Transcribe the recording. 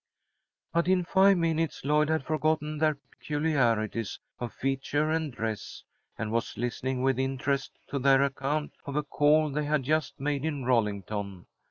But in five minutes Lloyd had forgotten their peculiarities of feature and dress, and was listening with interest to their account of a call they had just made in Rollington.